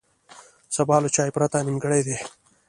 سبا له چای پرته نیمګړی دی.